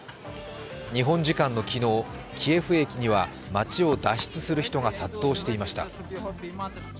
日本時間の昨日、キエフ駅には街を脱出する人が殺到していました。